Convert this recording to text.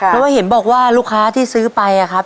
เพราะว่าเห็นบอกว่าลูกค้าที่ซื้อไปอะครับ